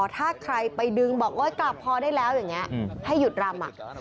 ถ้าใครไปดึงบอกว่ากลับพอได้แล้วอย่างนี้ให้หยุดรำ